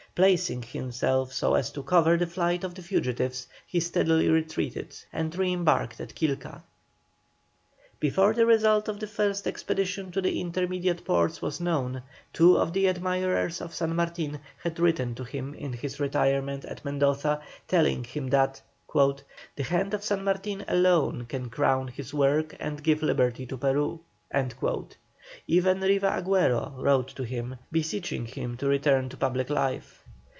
Placing himself so as to cover the flight of the fugitives, he steadily retreated and re embarked at Quilca. Before the result of the first expedition to the intermediate ports was known, two of the admirers of San Martin had written to him in his retirement at Mendoza, telling him that "the hand of San Martin alone can crown his work and give liberty to Peru." Even Riva Agüero wrote to him, beseeching him to return to public life.